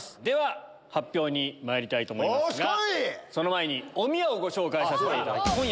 では発表にまいりたいと思いますがその前におみやをご紹介させていただきます。